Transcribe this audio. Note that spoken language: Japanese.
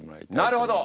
なるほど！